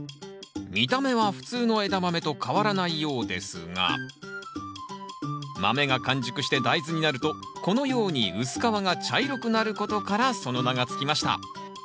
見た目は普通のエダマメと変わらないようですが豆が完熟して大豆になるとこのように薄皮が茶色くなることからその名が付きました。